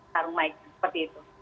sarung mic seperti itu